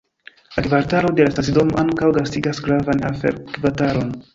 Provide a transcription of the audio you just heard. La kvartalo de la stacidomo ankaŭ gastigas gravan afer-kvartalon.